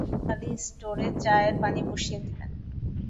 নিসার আলি ক্টোড়ে চায়ের পানি বসিয়ে দিলেন।